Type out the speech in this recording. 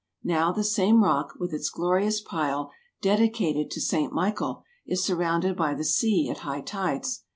Now the same rock, with its glorious pile dedicated to St. Michael, is surrounded by the sea at high tides.